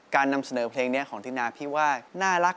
นำเสนอเพลงนี้ของตินาพี่ว่าน่ารัก